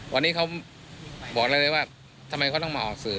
วันนี้เขาบอกเราเลยว่าทำไมเขาต้องมาออกสื่อ